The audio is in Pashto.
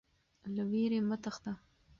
له ویرې مه تښته.